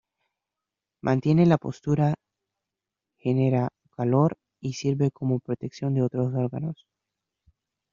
Mantiene la postura, genera calor y sirve como protección de otros órganos.